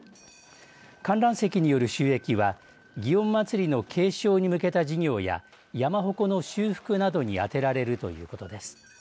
観覧席による収益は祇園祭の継承に向けた事業や山ほこの修復などに充てられるということです。